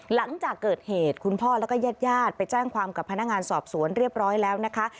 หลังจากเกิดเหตุคุณพ่อแล้วก็ญาติญาติไปแจ้งความกับพนักงานสอบสวนเรียบร้อยแล้วนะคะ